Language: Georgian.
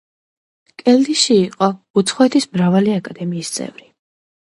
კელდიში იყო უცხოეთის მრავალი აკადემიის წევრი.